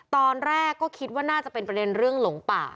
ตอนแรกก็คิดว่าน่าจะเป็นประเด็นเรื่องหลงป่า